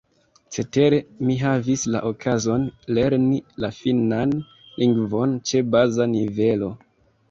Cetere, mi havis la okazon lerni la finnan lingvon ĉe baza nivelo.